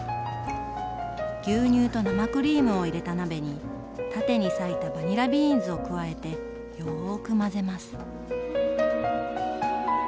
牛乳と生クリームを入れた鍋に縦に割いたバニラビーンズを加えてよく混ぜます。